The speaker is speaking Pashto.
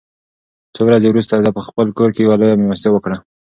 څو ورځې وروسته ده په خپل کور کې یوه لویه مېلمستیا وکړه.